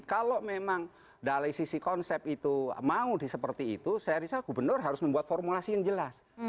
kalau memang dari sisi konsep itu mau seperti itu saya rasa gubernur harus membuat formulasi yang jelas